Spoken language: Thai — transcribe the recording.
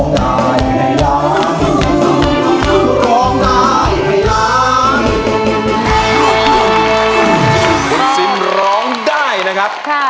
คุณซิมร้องได้นะครับ